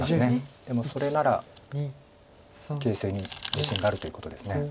でもそれなら形勢に自信があるということです。